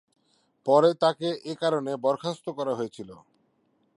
পরে তাকে এ কারণে বরখাস্ত করা হয়েছিল।